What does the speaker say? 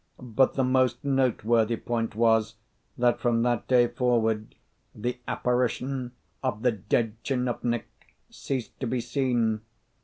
But the most noteworthy point was, that from that day forward the apparition of the dead tchinovnik ceased to be seen.